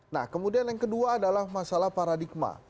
nah kemudian yang kedua adalah masalah paradigma